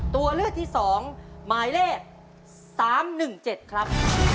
ตัวเลือกที่๒หมายเลข๓๑๗ครับ